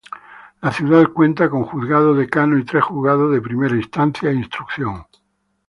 La ciudad cuenta con Juzgado Decano y tres juzgados de Primera Instancia e Instrucción.